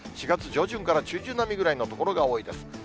４月上旬から中旬並みぐらいの所が多いです。